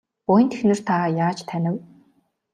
Буянт эхнэр та яаж танив?